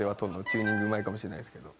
チューニングうまいかもしれないですけど。